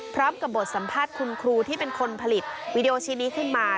พร้อมกับบทสัมภาษณ์คุณครูที่เป็นคนผลิตวีดีโอชิ้นนี้ขึ้นมา